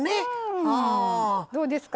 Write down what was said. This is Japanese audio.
どうですか？